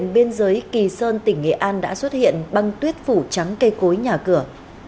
biên giới kỳ sơn tỉnh nghệ an đã xuất hiện băng tuyết phủ trắng cây cối nhà cửa